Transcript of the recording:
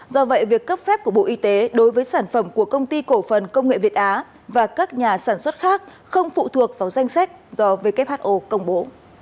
do vậy việc cấp phép của bộ y tế đối với sản phẩm của công ty cổ phần công nghệ việt á và các nhà sản xuất khác không phụ thuộc vào danh sách do who công bố